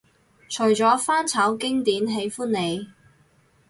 除咗翻炒經典喜歡你